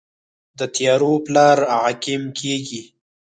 د تیارو پلار عقیم کیږي